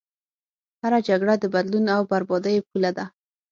هره جګړه د بدلون او بربادیو پوله ده.